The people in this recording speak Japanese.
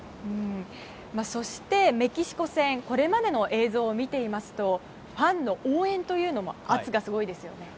そして、メキシコ戦これまでの映像を見ていますとファンの応援というのも圧がすごいですよね。